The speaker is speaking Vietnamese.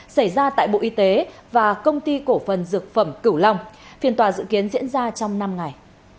xảy ra tại bộ y tế và công ty cổ phần dược phẩm cửu long phiên tòa dự kiến diễn ra trong năm ngày